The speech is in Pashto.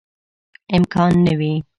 امکان نه وي.